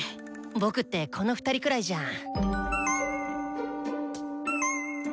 「僕」ってこの２人くらいじゃん。